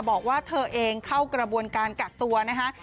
บอกว่าเธอเองเข้ากระบวนการกักตัวนะคะ